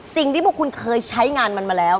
สิ่งที่พวกคุณเคยใช้งานมันมาแล้ว